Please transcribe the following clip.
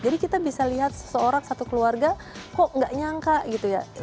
jadi kita bisa lihat seseorang satu keluarga kok gak nyangka gitu ya